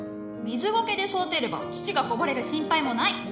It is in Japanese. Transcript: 水ゴケで育てれば土がこぼれる心配もない。